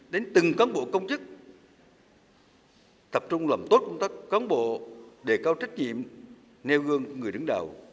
đến từng cán bộ công chức tập trung làm tốt công tác cán bộ để cao trách nhiệm nêu gương của người đứng đầu